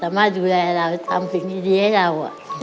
สามารถดูแลเราทำสิ่งดีให้เราอ่ะ